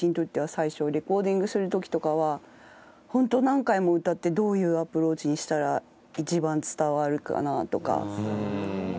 最初レコーディングする時とかは本当何回も歌ってどういうアプローチにしたら一番伝わるかな？とか。